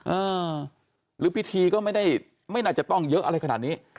หรือพิธีก็ไม่ได้ไม่น่าจะต้องเยอะอะไรขนาดนี้